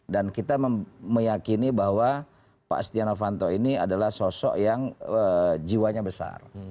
dan kita meyakini bahwa pak astiano vanto ini adalah sosok yang jiwanya besar